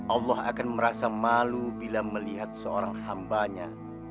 allah akan merasa malu bila melihat seorang hambanya